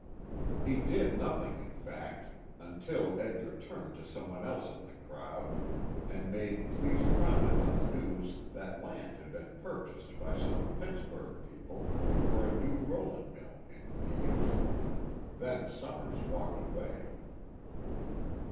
He did nothing in fact, until Edgar turned to some one else in the crowd, and made pleased comment on the news that land had been purchased by some Pittsburg people for a new rolling mill in Thebes. Then Summers walked away.